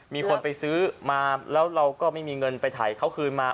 มีคนไปซื้อมาแล้วเราก็ไม่มีเงินไปถ่ายเขาคืนมา